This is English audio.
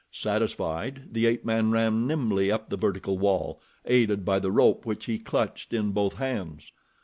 Satisfied, the ape man ran nimbly up the vertical wall, aided by the rope which he clutched in both hands.